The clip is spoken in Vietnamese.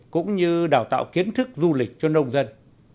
cũng như đào tạo kiến thức du lịch cho nông dân